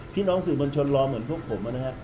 พี่น้องสื่อมวลชนรอเหมือนพวกผมนะฮะ